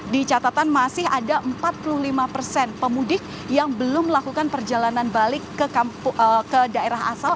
di catatan masih ada empat puluh lima persen pemudik yang belum melakukan perjalanan balik ke daerah asal